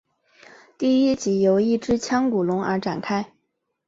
第一集由一只腔骨龙而展开。